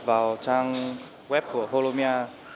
vào trang web của holomia